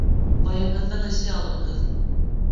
Вайымһыҙҙың эше алымһыҙ.